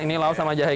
ini lauk sama jahe